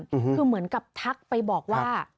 คือเหมือนกับทักไปบอกว่า